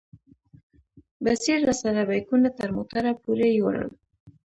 بصیر راسره بیکونه تر موټره پورې یوړل.